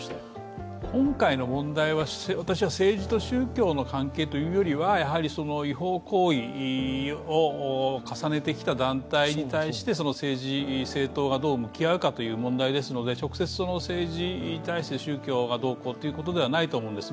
今回の問題は政治と宗教の関係というよりは違法行為を重ねてきた団体に対して政治・政党がどう向き合うかという問題ですのど直接、政治に対して宗教がどうこうっていうことではないと思うんです。